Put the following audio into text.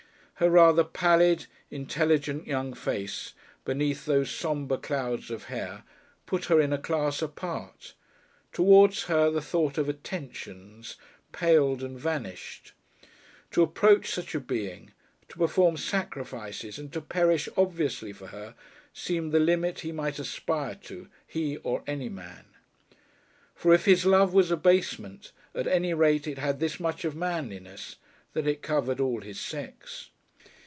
Her rather pallid, intelligent young face, beneath those sombre clouds of hair, put her in a class apart; towards her the thought of "attentions" paled and vanished. To approach such a being, to perform sacrifices and to perish obviously for her, seemed the limit he might aspire to, he or any man. For if his love was abasement, at any rate it had this much of manliness, that it covered all his sex.